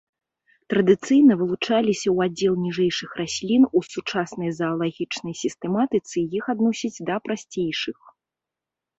Традыцыйна вылучаліся ў аддзел ніжэйшых раслін, у сучаснай заалагічнай сістэматыцы іх адносяць да прасцейшых.